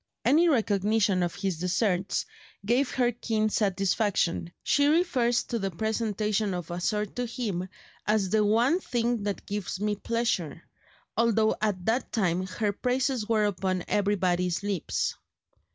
Any recognition of his deserts gave her keen satisfaction. She refers to the presentation of a sword to him as "the only thing that has given me pleasure," although at that time her praises were upon everybody's lips.